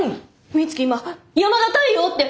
美月今山田太陽って！